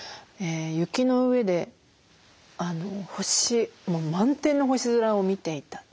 雪の上で星もう満天の星空を見ていた。